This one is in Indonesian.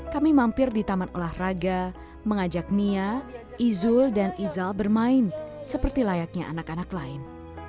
kami mampir di taman olahraga mengajak nia izul dan izal bermain seperti layaknya anak anak lain